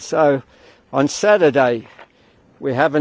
jadi pada hari selatan